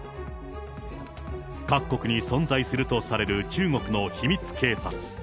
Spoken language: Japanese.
各国に存在するとされる中国の秘密警察。